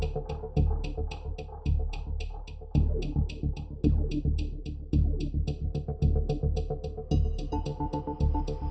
โปรดติดตามตอนต่อไป